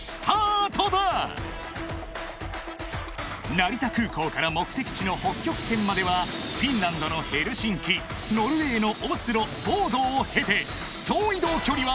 ［成田空港から目的地の北極圏まではフィンランドのヘルシンキノルウェーのオスロボードーを経て］